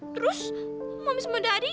terus mami smedadi